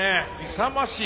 勇ましい。